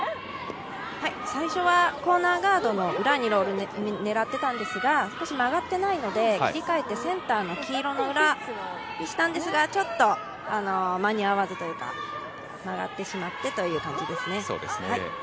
最初はコーナーガードの裏を狙っていたんですが少し曲がってないので、切り替えてセンターの黄色の裏、したんですがちょっと間に合わずというか曲がってしまってという感じですね。